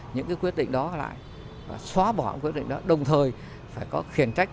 những quyết định đó lại xóa bỏ những quyết định đó đồng thời phải có khiển trách